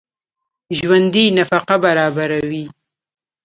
ژوندي نفقه برابروي